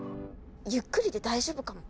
ゆっくりで大丈夫かも。